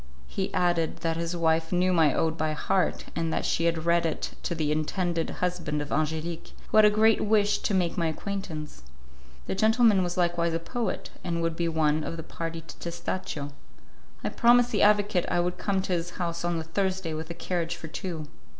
He added that his wife knew my ode by heart, and that she had read it to the intended husband of Angelique, who had a great wish to make my acquaintance. That gentleman was likewise a poet, and would be one of the party to Testaccio. I promised the advocate I would come to his house on the Thursday with a carriage for two.